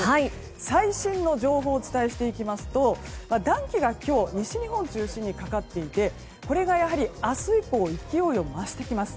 最新の情報をお伝えしていきますと暖気が今日西日本を中心にかかっていてこれが明日以降勢いを増してきます。